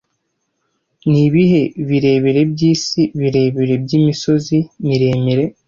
Nibihe birebire byisi birebire byimisozi miremire